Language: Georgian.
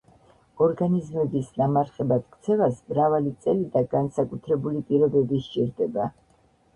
ორგანიზმების ნამარხებად ქცევას მრავალი წელი და განსაკუთრებული პირობები სჭირდება.